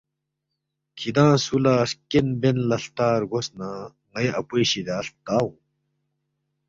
کِھدانگ سُو لہ ہرکین بین لہ ہلتا رگوس نہ ن٘ئی اپوے شِدیا ہلتا اونگ